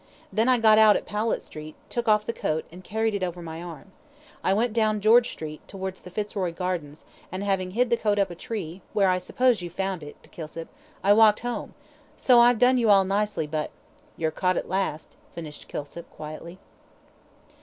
Then I got out at Powlett Street, took off the coat, and carried it over my arm. I went down George Street, towards the Fitzroy Gardens, and having hid the coat up a tree, where I suppose you found it," to Kilsip, "I walked home so I've done you all nicely, but " "You're caught at last," finished Kilsip, quietly.